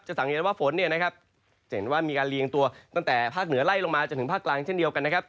สังเกตว่าฝนเนี่ยนะครับจะเห็นว่ามีการเรียงตัวตั้งแต่ภาคเหนือไล่ลงมาจนถึงภาคกลางเช่นเดียวกันนะครับ